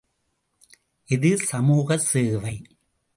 எது சமூக சேவை.